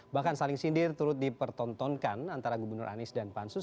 bahkan saling sindir turut dipertontonkan antara gubernur anies dan pansus